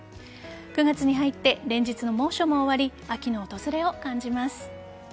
９月に入って連日の猛暑も終わり秋の訪れを感じます。